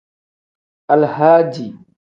Alahadi.